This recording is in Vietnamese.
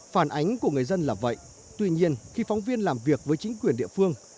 phản ánh của người dân là vậy tuy nhiên khi phóng viên làm việc với chính quyền địa phương